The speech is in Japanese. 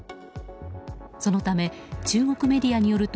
そのため、中国メディアによると